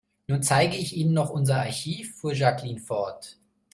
Nun zeige ich Ihnen noch unser Archiv, fuhr Jacqueline fort.